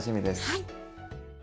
はい。